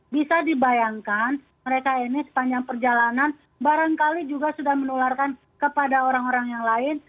bisa dibayangkan mereka ini sepanjang perjalanan barangkali juga sudah menularkan kepada orang orang yang lain